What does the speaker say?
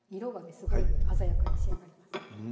すごい鮮やかに仕上がります